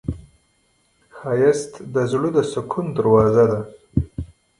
ښایست د زړه د سکون دروازه ده